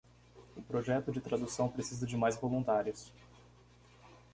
O projeto de tradução precisa de mais voluntários.